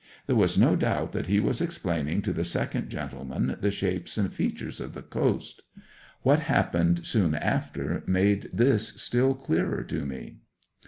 There was no doubt that he was explaining to the second gentleman the shapes and features of the coast. What happened soon after made this still clearer to me.